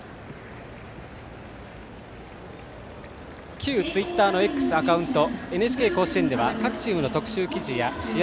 旧ツイッターのＸアカウント「ＮＨＫ甲子園」では各チームの特集記事や試合